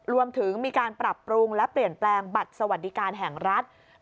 รวมถึงมีการปรับปรุงและเปลี่ยนแปลงบัตรสวัสดิการแห่งรัฐ